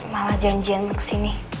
malah janjian kesini